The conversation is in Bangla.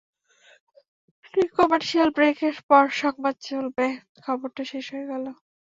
নে কমার্শিয়াল ব্রেকের পর সংবাদ চলবে খবরটা শেষ হয়ে গেল।